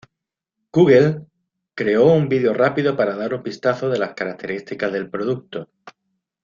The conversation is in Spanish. Google creó un video rápido para dar un vistazo de las características del producto.